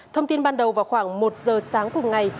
thông tin ban đầu vào khoảng một giờ sáng cùng ngày